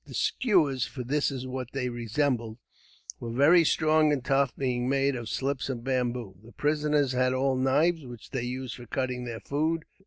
The skewers, for this is what they resembled, were very strong and tough; being made of slips of bamboo. The prisoners had all knives, which they used for cutting their food.